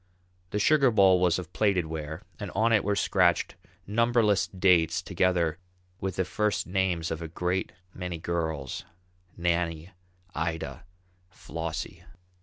The sugar bowl was of plated ware and on it were scratched numberless dates together with the first names of a great many girls, "Nannie," "Ida," "Flossie."